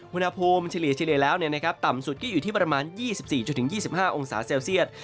อุณหภูมิเฉลี่ยแล้วต่ำสุดก็อยู่ที่ประมาณ๒๔๒๕องศาเซลเซียต